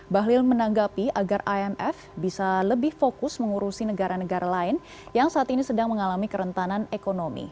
bahlil menanggapi agar imf bisa lebih fokus mengurusi negara negara lain yang saat ini sedang mengalami kerentanan ekonomi